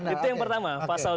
itu yang pertama